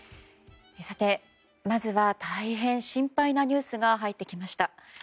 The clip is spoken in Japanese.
まずは、大変心配なニュースが入ってきました。